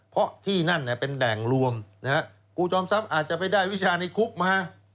เพราะที่นั่นเนี่ยเป็นแด่งรวมนะฮะกูซ้อมซ้ำอาจจะไปได้วิชาในคุกมา